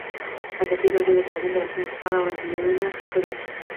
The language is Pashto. ازادي راډیو د تعلیم د راتلونکې په اړه وړاندوینې کړې.